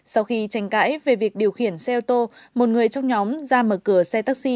sau khi tranh cãi về việc điều khiển xe ô tô một người trong nhóm ra mở cửa xe taxi